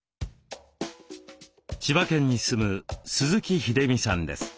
千葉県に住む鈴木秀美さんです。